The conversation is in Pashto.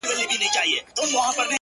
هغه اوس كډه وړي كابل ته ځي.!